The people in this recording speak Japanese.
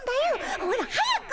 ほら早く。